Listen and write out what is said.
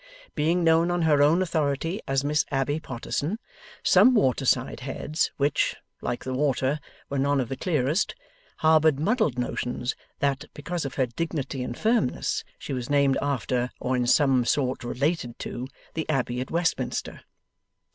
Being known on her own authority as Miss Abbey Potterson, some water side heads, which (like the water) were none of the clearest, harboured muddled notions that, because of her dignity and firmness, she was named after, or in some sort related to, the Abbey at Westminster.